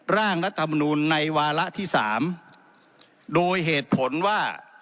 ร่างรัฐมนูลในวาระที่สามโดยเหตุผลว่า